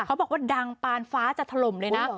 บอกว่าดังปานฟ้าจะถล่มเลยนะ